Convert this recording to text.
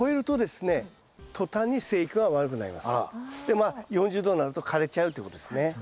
でまあ４０℃になると枯れちゃうってことですね。